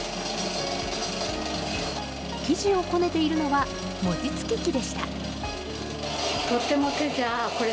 生地をこねているのは餅つき器でした。